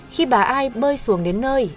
khi bà ai bơi xuồng đến nơi